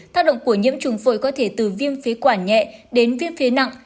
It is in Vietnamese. thác động của nhiễm chủng phổi có thể từ viêm phế quả nhẹ đến viêm phế nặng